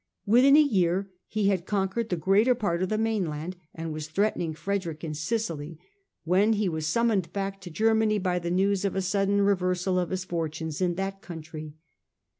Within a year he had conquered the greater part of the mainland and was threatening Frederick in Sicily, when he was summoned back to Germany by the news of a sudden reversal of his fortunes in that country.